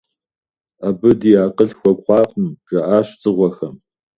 Абы ди акъыл хуэкӀуакъым, - жаӀащ дзыгъуэхэм.